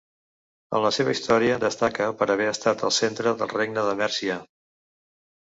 En la seva història destaca per haver estat el centre del regne de Mèrcia.